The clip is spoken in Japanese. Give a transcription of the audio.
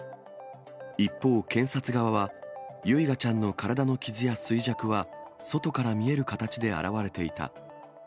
一方、検察側は、唯雅ちゃんの体の傷や衰弱は、外から見える形で現れていた。